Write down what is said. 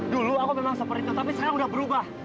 dulu aku memang seperti itu tapi sekarang udah berubah